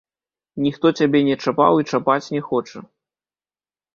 Ніхто цябе не чапаў і чапаць не хоча.